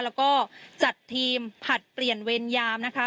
แล้วก็จัดทีมผลัดเปลี่ยนเวรยามนะคะ